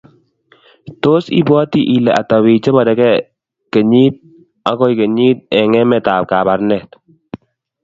Tos ibwoti ile biik ata chebarekei kenyit akoi kenyit eng emet ab Kabarnet?